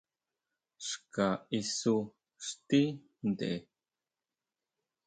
Xka isú xtí tʼen.